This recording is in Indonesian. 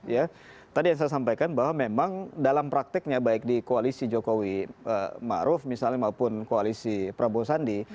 ya tadi yang saya sampaikan bahwa memang dalam prakteknya baik di koalisi jokowi maruf misalnya maupun koalisi prabowo sandi